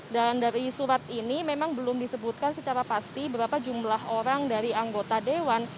dan dari surat ini memang belum disebutkan secara pasti berapa jumlah orang dari anggota dewan